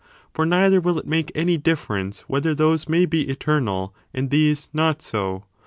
for neither will it make any difference whether those may be eternal, and these not so.